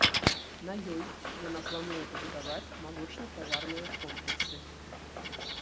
На ёй яна плануе пабудаваць малочна-таварныя комплексы.